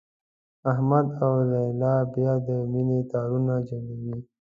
احمد او لیلا بیا د مینې تارونه جنګوي.